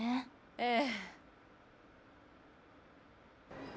ええ。